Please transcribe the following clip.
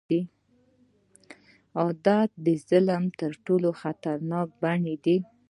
عادت د ظلم تر ټولو خطرناک بڼې ده.